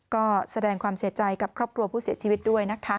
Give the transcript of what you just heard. ก็แสดงความเสียใจกับครอบครัวผู้เสียชีวิตด้วยนะคะ